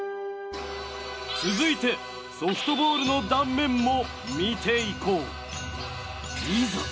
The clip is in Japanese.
続いてソフトボールの断面も見ていこう。